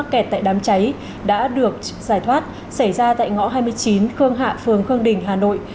kẹt tại đám cháy đã được giải thoát xảy ra tại ngõ hai mươi chín khương hạ phường khương đình hà nội